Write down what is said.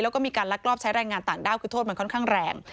แล้วก็มีการลักลอบใช้แรงงานต่างด้าวคือโทษมันค่อนข้างแรง